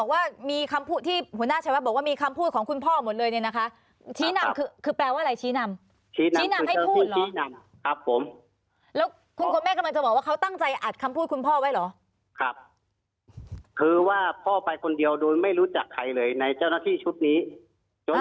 ตามตามเป็นสักคนเดียวในต้านพ่อต้องคุยกับพ่อเศษแหละพ่อก็บอกว่ามีคนเนี่ยมิดว่าจะรักษาที่๑๐ล้าน